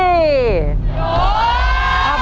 โยน